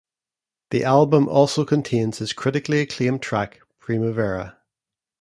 The album also includes his critically acclaimed track Primavera.